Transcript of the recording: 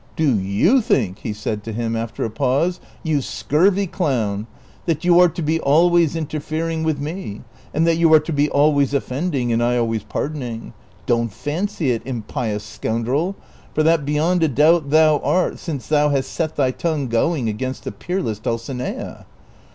" Do yo\i think," he said to him after a pause, " you scurvy clown, that you are to be always interfering with me, and that you are to be always offending and I always pardoning ? Don't fancy it, impious scoundrel, for that beyond a doubt thou art, since thou hast set thy tongue going against the peerless Dulcinea.